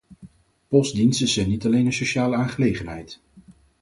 Postdiensten zijn niet alleen een sociale aangelegenheid.